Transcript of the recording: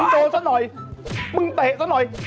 ต้องโทษสักหน่อยมึงเตะสักหน่อย